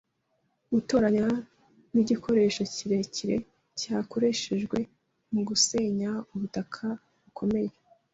Gutoranya nigikoresho kirekire cyakoreshejwe mugusenya ubutaka bukomeye.